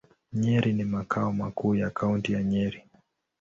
Nyeri ni makao makuu ya Kaunti ya Nyeri.